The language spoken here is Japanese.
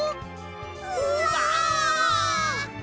うわ！